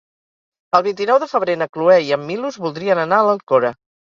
El vint-i-nou de febrer na Cloè i en Milos voldrien anar a l'Alcora.